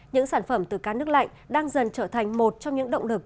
những sản phẩm từ cá nước lạnh đang dần trở thành một trong những động lực